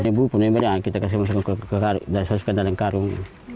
ini bu pun ini berat kita masukkan ke dalam karung